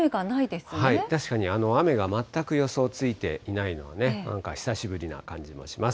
確かに、雨が全く予想ついていないのがね、なんか久しぶりな感じもします。